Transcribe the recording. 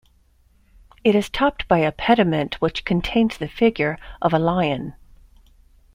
It is topped by a pediment which contains the figure of a lion.